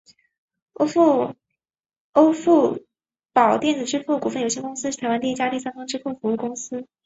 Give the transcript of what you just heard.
欧付宝电子支付股份有限公司是台湾一家第三方支付服务公司。